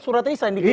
surat risan dikirim